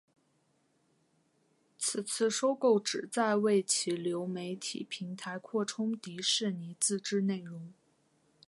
此次收购旨在为其流媒体平台扩充迪士尼自制内容。